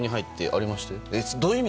ありましたよね。